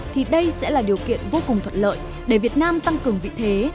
thì đây sẽ là điều kiện vô cùng thuận lợi để việt nam tăng cường vị thế